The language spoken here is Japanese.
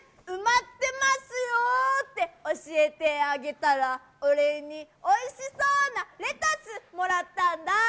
埋まってますよ！って教えてあげたら、お礼に、おいしそうなレタスもらったんだ。